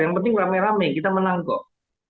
yang penting rame rame kita menang kok